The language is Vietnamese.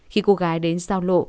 khi cô gái đến sau lộ